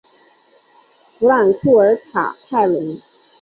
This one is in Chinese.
弗朗库尔卡泰隆。